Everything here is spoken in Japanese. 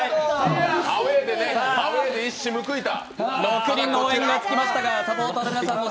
アウェーで一矢報いた！